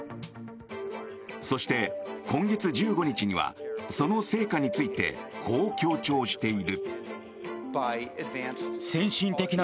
そして、今月１５日にはその成果についてこう強調している。